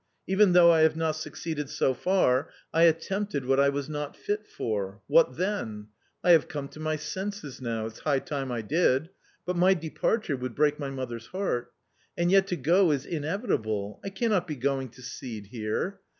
Even though I have not succeeded so far, I attempted what I was not fit for — what then ? I have come to my senses now; it's high time I did. But my departure would break my mother's heart ! And yet to go is inevitable ; I cannot be going to seed here